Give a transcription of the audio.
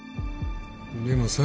でも